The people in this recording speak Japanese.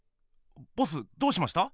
ボスどうしました？